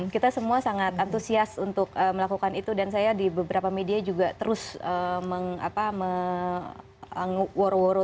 kita semua sangat antusias untuk melakukan itu dan saya di beberapa media juga terus mengapa mengwuru wuru tentang itu